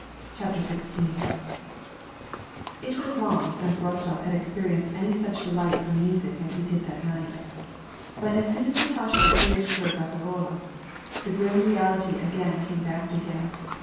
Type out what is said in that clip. CHAPTER XVI, It was long since Rostof had experienced any such delight from music as he did that night. But as soon as Natasha had finished her bacarole, the grim reality again came back to him.